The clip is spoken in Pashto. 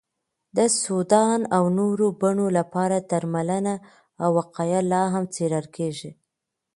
د سودان او نورو بڼو لپاره درملنه او وقایه لا هم څېړل کېږي.